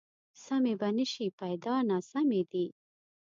سمې به نه شي، پیدا ناسمې دي